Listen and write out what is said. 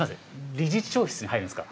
理事長室に入るんですか？